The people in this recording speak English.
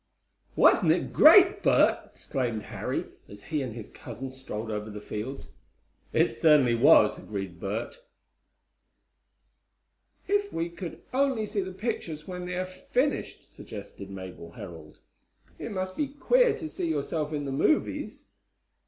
"Wasn't it great, Bert!" exclaimed Harry, as he and his cousin strolled over the fields. "It certainly was," agreed Bert. "If we could only see the pictures when they are finished," suggested Mabel Herold. "It must be queer to see yourself in the movies."